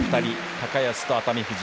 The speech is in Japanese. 高安と熱海富士。